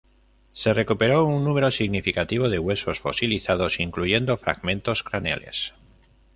Se recuperó un número significativo de huesos fosilizados, incluyendo, fragmentos craneales.